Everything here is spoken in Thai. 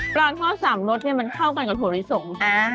ทอดสามรสเนี่ยมันเข้ากันกับถั่วลิสง